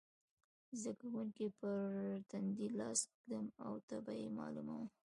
د زده کوونکي پر تندې لاس ږدم او تبه یې معلوموم.